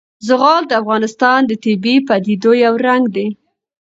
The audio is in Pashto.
زغال د افغانستان د طبیعي پدیدو یو رنګ دی.